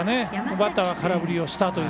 バッターは空振りをした。